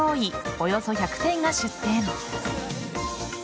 およそ１００店が出店。